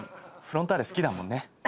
フロンターレ好きだもんね。